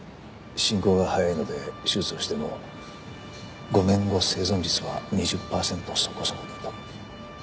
進行が早いので手術をしても５年後生存率は２０パーセントそこそこだと。